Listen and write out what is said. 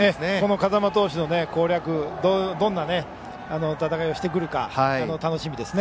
風間投手の攻略どんな戦いをしてくるか楽しみですね。